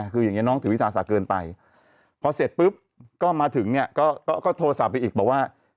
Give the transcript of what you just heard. คืออย่างนี้น้องถือวิสาสะเกินไปพอเสร็จปุ๊บก็มาถึงเนี่ยก็โทรศัพท์ไปอีกบอกว่า